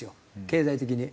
経済的に。